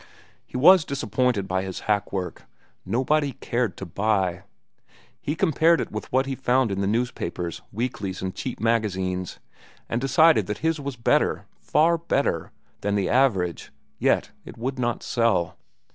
He was disappointed with his hack work. Nobody cared to buy. He compared it with what he found in the newspapers, weeklies, and cheap magazines, and decided that his was better, far better, than the average; yet it would not sell.